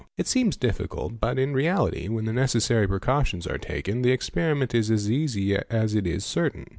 It _ seems difficult but in reality, when the necessary precautions are taken, J. eee eer _ the experiment is as easy as it is certain.